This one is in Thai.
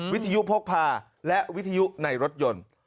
วิทยุพกพาและวิทยุในรถยนต์